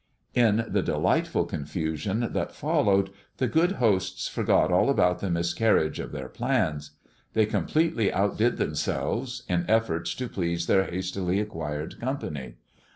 In the delightful confusion that followed, the good hosts forgot all about the miscarriage of their plans. They completely outdid themselves, in efforts to please their hastily acquired company.